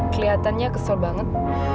kelihatannya kesel banget